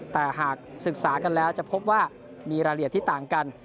แต่หากศึกษากันแล้วจะพบว่ามีรายละเอียดที่ต่างกัน